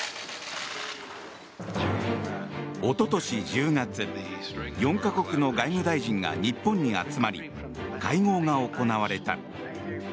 おととし１０月４か国の外務大臣が日本に集まり会合が行われた。